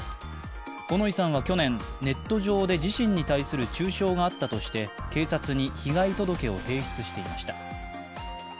五ノ井さんは去年、ネット上で自身に対する中傷があったとして警察に被害届を提出していました。